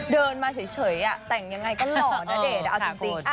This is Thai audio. เดินมาเฉยแต่งยังไงก็หล่อณเดชน์เอาจริง